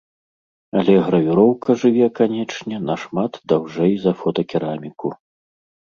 Але гравіроўка жыве, канечне, нашмат даўжэй за фотакераміку.